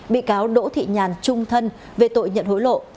bị cáo đỗ thị nhàn trung thân về tội nhận hối lộ